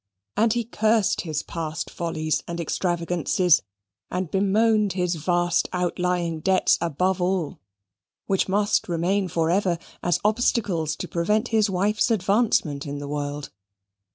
And he cursed his past follies and extravagances, and bemoaned his vast outlying debts above all, which must remain for ever as obstacles to prevent his wife's advancement in the world.